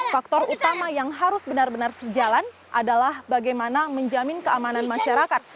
faktor utama yang harus benar benar sejalan adalah bagaimana menjamin keamanan masyarakat